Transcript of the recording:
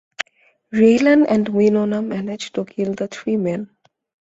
Raylan and Winona manage to kill the three men.